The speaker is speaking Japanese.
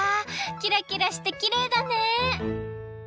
キラキラしてきれいだね！